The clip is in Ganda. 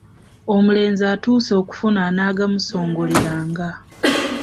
Omulenzi atuuse okufuna anaagamusongoleranga.